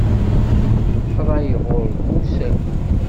Ṛṛay, ɣuṛ bu usaku.